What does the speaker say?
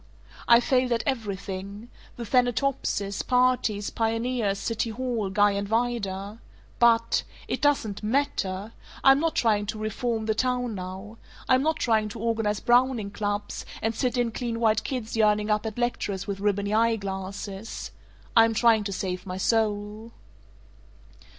I've failed at everything: the Thanatopsis, parties, pioneers, city hall, Guy and Vida. But It doesn't MATTER! I'm not trying to 'reform the town' now. I'm not trying to organize Browning Clubs, and sit in clean white kids yearning up at lecturers with ribbony eyeglasses. I am trying to save my soul.